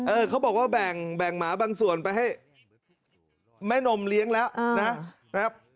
เขาบอกว่าแบ่งหมาบางส่วนไปให้แม่นมเลี้ยงแล้วนะครับ